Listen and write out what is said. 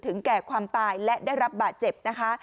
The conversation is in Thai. แก่ความตายและได้รับบาดเจ็บนะคะ